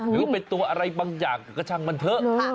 หรือว่าเป็นตัวอะไรบางอย่างกระชั่งมันเถอะ